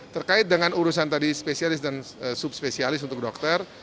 terkait dengan urusan tadi spesialis dan subspesialis untuk dokter